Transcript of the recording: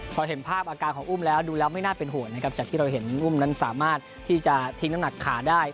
พอเห็นภาพอาการของอุ้มแล้วดูแล้วไม่น่าเป็นห่วงนะครับจากที่เราเห็นอุ้มนั้นสามารถที่จะทิ้งน้ำหนักขาได้